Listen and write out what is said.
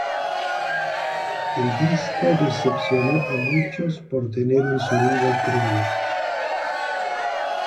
El disco decepcionó a muchos por tener un sonido crudo.